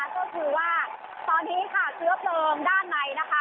ก็คือว่าตอนนี้ค่ะเชื้อเพลิงด้านในนะคะ